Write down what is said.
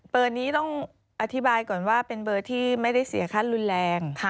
นี้ต้องอธิบายก่อนว่าเป็นเบอร์ที่ไม่ได้เสียค่ารุนแรง